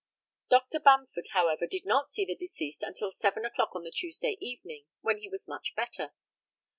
Dr. Bamford, however, did not see the deceased until seven o'clock on the Tuesday evening, when he was much better.